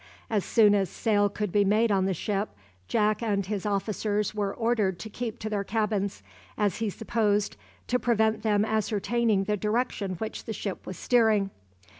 As soon as sail could be made on the ship, Jack and his officers were ordered to keep to their cabins, as he supposed, to prevent them ascertaining the direction which the ship was steering.